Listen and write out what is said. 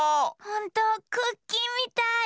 ほんとクッキーみたい！